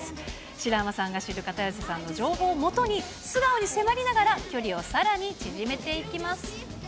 白濱さんが知る片寄さんの情報を基に、素顔に迫りながら距離をさらに縮めていきます。